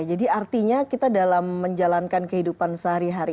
jadi artinya kita dalam menjalankan kehidupan sehari hari